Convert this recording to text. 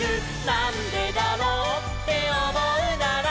「なんでだろうっておもうなら」